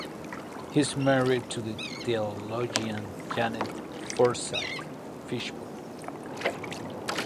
He is married to the theologian Janet Forsythe Fishburn.